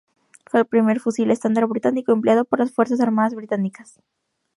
Fue el primer fusil estándar británico empleado por las fuerzas armadas británicas.